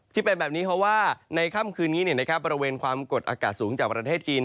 ที่เป็นแบบนี้เพราะว่าในค่ำคืนนี้บริเวณความกดอากาศสูงจากประเทศจีน